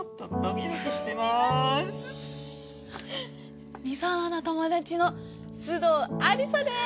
美園の友達の須藤亜里沙です！